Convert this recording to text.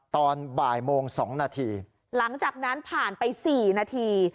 ตอนบ่ายโมง๒นาทีหลังจากนั้นผ่านไป๔นาที